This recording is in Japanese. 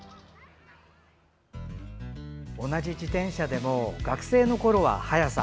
同じ自転車でも学生のころは速さ